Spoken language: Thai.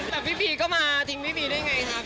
แต่พี่ปีก็มาทิ้งพี่ปีด้วยไงคะ